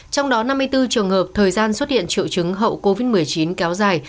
trong đó năm mươi bốn trường hợp thời gian xuất hiện triệu chứng hậu covid một mươi chín kéo dài